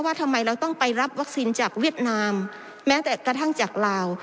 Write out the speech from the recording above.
ทำไมเราต้องไปรับวัคซีนจากเวียดนามแม้แต่กระทั่งจากลาว